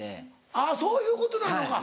あっそういうことなのか。